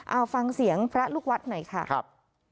เอาฟังเสียงพระลูกวัดหน่อยค่ะครับ